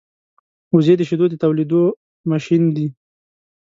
وزې د شیدو د تولېدو ماشین دی